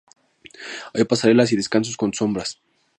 Hay pasarelas y descansos con sombras.